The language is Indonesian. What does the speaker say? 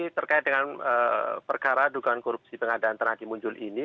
terkait dengan perkara dugaan korupsi pengadaan tanah di muncul ini